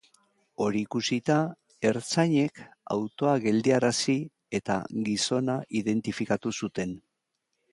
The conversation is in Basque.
Hori ikusita, ertzainek autoa geldiarazi eta gizona identifikatu zuten.